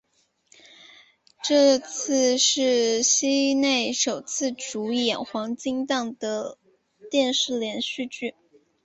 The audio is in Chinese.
这次是西内首次主演黄金档的电视连续剧。